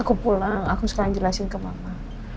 aku pulang aku sekarang jelasin ke mama